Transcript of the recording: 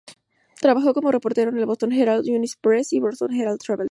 Trabajó como reportero en el "Boston Herald", "United Press" y "Boston Herald Traveler".